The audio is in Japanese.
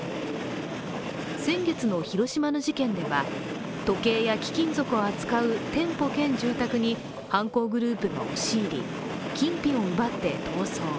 先月の広島の事件では時計や貴金属を扱う店舗兼住宅に犯行グループが押し入り、金品を奪って逃走。